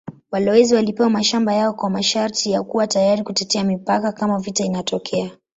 Walowezi walipewa mashamba yao kwa masharti ya kuwa tayari kutetea mipaka kama vita inatokea.